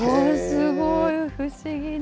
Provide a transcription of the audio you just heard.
すごい、不思議な。